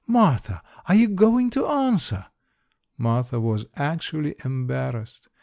Martha, are you going to answer?" Martha was actually embarrassed.